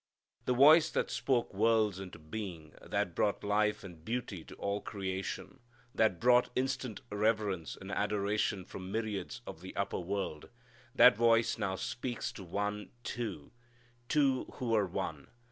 The voice that spoke worlds into being, that brought life and beauty to all creation, that brought instant reverence and adoration from myriads of the upper world, that voice now speaks to one, two: two who were one.